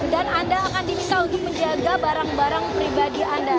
dan anda akan diminta untuk menjaga barang barang pribadi anda